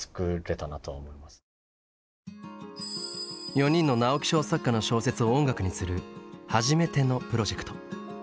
４人の直木賞作家の小説を音楽にする「はじめての」プロジェクト。